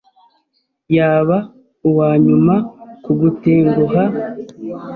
Yaba uwanyuma kugutenguha.